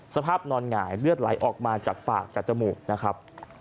สภาพนอนหงายเลือดไหลออกมาจากปากจากจมูกนะครับ